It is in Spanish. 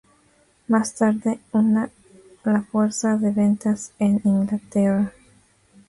Más tarde una la fuerza de ventas en Inglaterra.